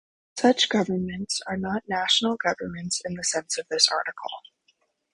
Such governments are not national governments in the sense of this article.